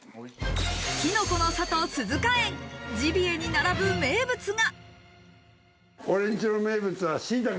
「きのこの里鈴加園」、ジビエに並ぶ名物が。